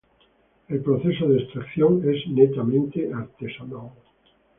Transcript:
El proceso de extracción es netamente artesanal.